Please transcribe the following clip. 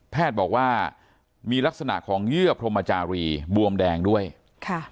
บอกว่ามีลักษณะของเยื่อพรมจารีบวมแดงด้วยค่ะ